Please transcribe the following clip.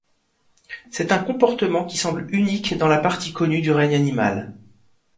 C'est un comportement qui semble unique dans la partie connue du règne animal.